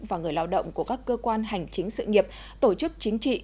và người lao động của các cơ quan hành chính sự nghiệp tổ chức chính trị